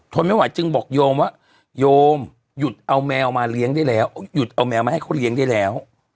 ทนไม่ไหวจึงบอกโยมว่าโยมหยุดเอาแมวมาเลี้ยงได้แล้วหยุดเอาแมวมาให้เขาเลี้ยงได้แล้ว